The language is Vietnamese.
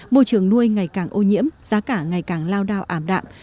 môi trường nuôi ngày càng ô nhiễm giá cả ngày càng lao đao ảm đạm